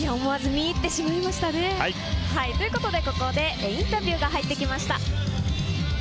見入ってしまいましたね。ということでここでインタビューが入ってきました。